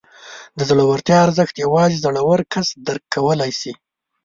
د زړورتیا ارزښت یوازې زړور کس درک کولی شي.